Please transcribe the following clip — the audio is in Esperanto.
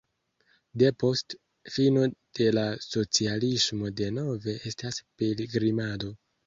Depost fino de la socialismo denove estas pilgrimado.